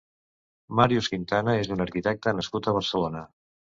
Màrius Quintana és un arquitecte nascut a Barcelona.